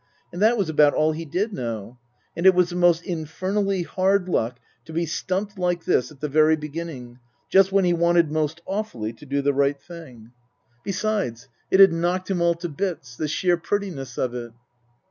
And that was about all he did know. And it was the most infernally hard luck to be stumped like this at the very beginning, just when he wanted most awfully to do the right thing. 30 Tasker Jevons Besides, it had knocked him all to bits the sheer prettiness of it.